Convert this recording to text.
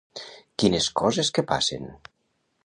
Quines coses que passen!